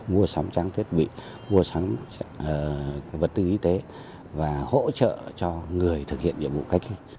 mua sắm trang thiết bị mua sắm vật tư y tế và hỗ trợ cho người thực hiện nhiệm vụ cách ly